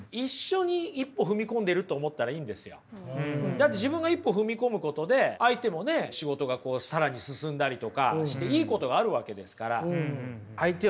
だって自分が一歩踏み込むことで相手もね仕事が更に進んだりとかしていいことがあるわけですから。